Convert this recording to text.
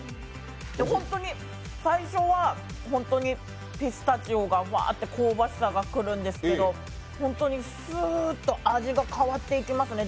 ホントに最初はピスタチオがふわーっと香ばしさがくるんですけど、本当に、スーッと味が変わっていきますね